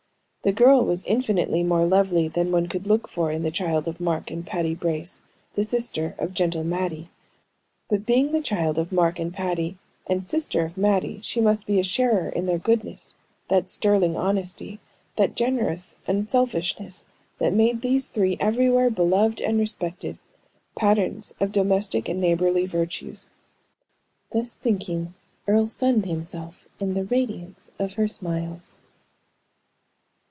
The girl was infinitely more lovely than one could look for in the child of Mark and Patty Brace, the sister of gentle Mattie; but being the child of Mark and Patty, and sister of Mattie, she must be a sharer in their goodness, that sterling honesty, that generous unselfishness, that made these three everywhere beloved and respected, patterns of domestic and neighborly virtues. Thus thinking, Earle sunned himself in the radiance of her smiles.